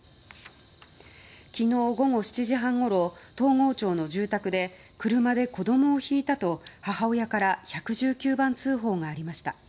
昨日午後７時半ごろ東郷町の住宅で車で子供をひいたと、母親から１１９番通報がありました。